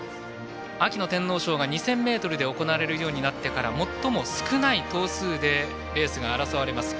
秋の天皇賞が２０００ｍで行われるようになってから最も少ない頭数でレースが争われます。